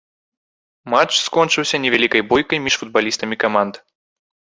Матч скончыўся невялікай бойкай між футбалістамі каманд.